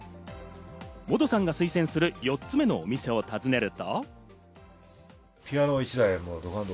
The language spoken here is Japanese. モドさんが推薦する、４つ目のお店を訪ねると。